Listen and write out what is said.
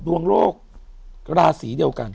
อยู่ที่แม่ศรีวิรัยิลครับ